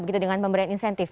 begitu dengan pemberian insentif